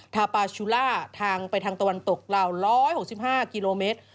ทาปาชุล่าทางไปทางตะวันตกราว๑๖๕กิโลเมตร